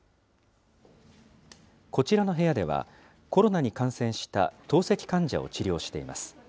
こちらの部屋では、コロナに感染した透析患者を治療しています。